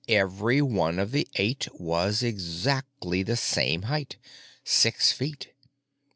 Every one of the eight was exactly the same height—six feet.